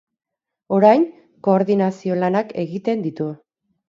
Orain, koordinazio lanak egiten ditu.